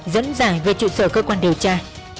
dẫn dài về trụ sở cơ quan điều tra